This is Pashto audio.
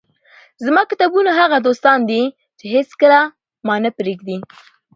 زما کتابونه هغه دوستان دي، چي هيڅکله مانه پرېږي.